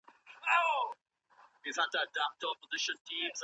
ایا واړه پلورونکي وچه الوچه پلوري؟